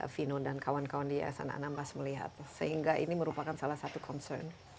vino dan kawan kawan di san anambas melihat sehingga ini merupakan salah satu concern